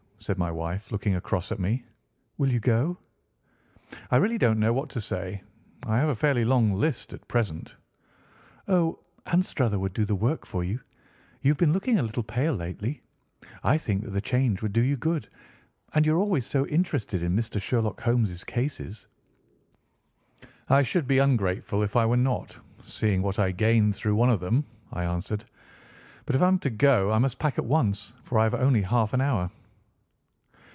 said my wife, looking across at me. "Will you go?" "I really don't know what to say. I have a fairly long list at present." "Oh, Anstruther would do your work for you. You have been looking a little pale lately. I think that the change would do you good, and you are always so interested in Mr. Sherlock Holmes' cases." "I should be ungrateful if I were not, seeing what I gained through one of them," I answered. "But if I am to go, I must pack at once, for I have only half an hour."